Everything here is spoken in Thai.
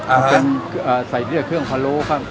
อ่าฮะเป็นเอ่อใส่เรือเครื่องพะโลครับ